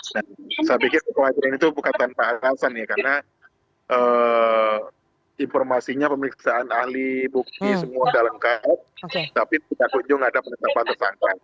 saya pikir kekhawatiran itu bukan tanpa alasan ya karena informasinya pemeriksaan ahli bukti semua sudah lengkap tapi tidak kunjung ada penetapan tersangka